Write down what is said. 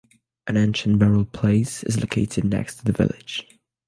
An ancient burial place is located next to the village.